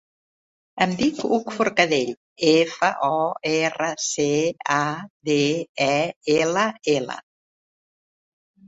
Em dic Hug Forcadell: efa, o, erra, ce, a, de, e, ela, ela.